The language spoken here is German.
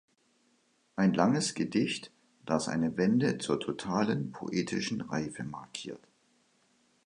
Ein langes Gedicht, das eine Wende zur totalen poetischen Reife markiert.